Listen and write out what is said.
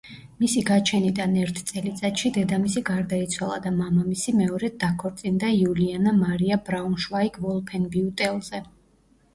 მისი გაჩენიდან ერთ წელიწადში დედამისი გარდაიცვალა და მამამისი მეორედ დაქორწინდა იულიანა მარია ბრაუნშვაიგ-ვოლფენბიუტელზე.